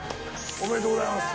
ありがとうございます！